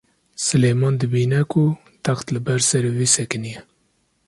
Silêman dibîne ku text li ber serê wî sekiniye.